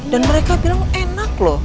dan mereka bilang enak loh